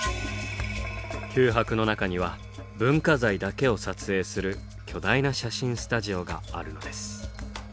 九博の中には文化財だけを撮影する巨大な写真スタジオがあるのです。